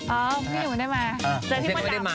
อ่อพรุ่งนี้ผมไม่ได้มา